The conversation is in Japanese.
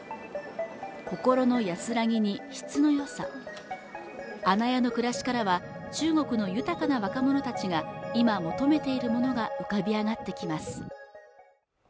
心の安らぎに質の良さ阿那亜の暮らしからは中国の豊かな若者たちが今求めているものが浮かび上がってきます